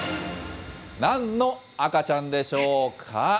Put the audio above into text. なんの赤ちゃんでしょうか。